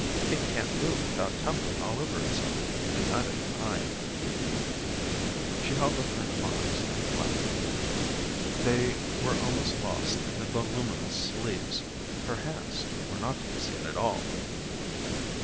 It can't move without tumbling all over itself, and neither can I." She held up her arms and flapped them. They were almost lost in the voluminous sleeves. Her hands were not to be seen at all.